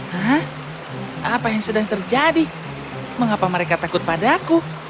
hah apa yang sedang terjadi mengapa mereka takut padaku